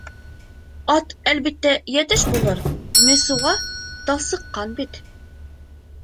Ат, әлбиттә, йәтеш булыр, Мессуа талсыҡҡан бит.